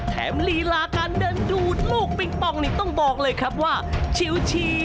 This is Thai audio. ลีลาการเดินดูดลูกปิงปองนี่ต้องบอกเลยครับว่าชิว